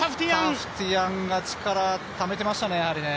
タフティアンが力をためてましたね。